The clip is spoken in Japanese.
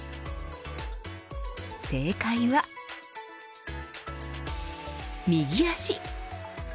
正解は右足。